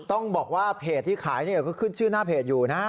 ต้องบอกว่าเพจที่ขายก็ขึ้นชื่อหน้าเพจอยู่นะ